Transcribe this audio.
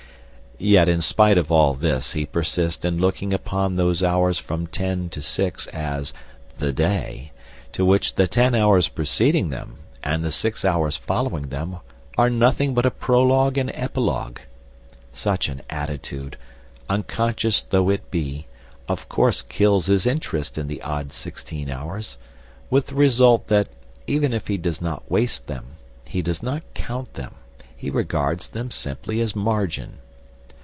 Yet in spite of all this he persists in looking upon those hours from ten to six as "the day," to which the ten hours preceding them and the six hours following them are nothing but a prologue and epilogue. Such an attitude, unconscious though it be, of course kills his interest in the odd sixteen hours, with the result that, even if he does not waste them, he does not count them; he regards them simply as margin.